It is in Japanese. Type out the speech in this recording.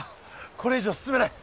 これ以上進めない。